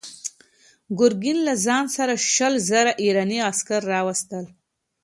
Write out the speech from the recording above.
ګورګین له ځان سره شل زره ایراني عسکر راوستل.